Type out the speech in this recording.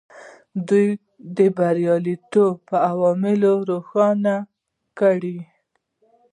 دوی د بریالیتوب عوامل روښانه کړل.